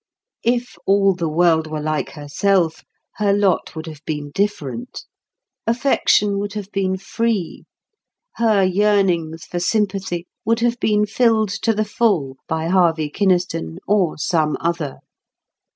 If all the world were like herself, her lot would have been different. Affection would have been free; her yearnings for sympathy would have been filled to the full by Harvey Kynaston or some other.